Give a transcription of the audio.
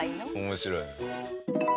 面白いね。